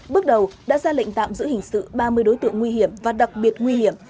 bước đầu đã ra lệnh tạm giữ hình sự ba mươi đối tượng nguy hiểm và đặc biệt nguy hiểm